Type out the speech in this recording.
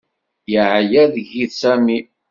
Yeɛya deg-i Sami.